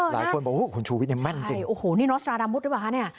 หลายคนบอกคุณชูวิทยเนี่ยแม่นจริงโอ้โหนี่นอสตราดามุดหรือเปล่าคะเนี่ย